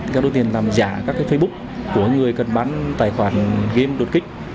các đối tiền làm giả các cái facebook của người cần bán tài khoản game đột kích